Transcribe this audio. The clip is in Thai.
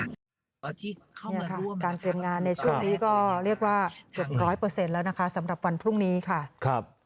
การเตรียมงานในช่วงนี้ก็เรียกว่า๑๐๐แล้วนะคะสำหรับวันพรุ่งนี้ค่ะ